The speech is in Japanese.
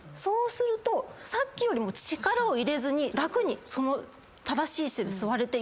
するとさっきよりも力を入れずに楽に正しい姿勢で座れていないですか？